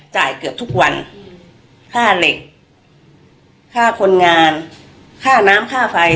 จ่ายเกือบทุกวันค่าเหล็กค่าคนงานค่าน้ำค่าไฟ